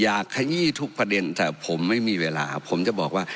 ขยี้ทุกประเด็นแต่ผมไม่มีเวลาผมจะบอกว่า